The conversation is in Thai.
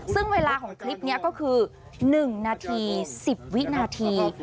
ซึ่งเวลาของคลิปนี้ก็คือ๑นาที๑๐วินาที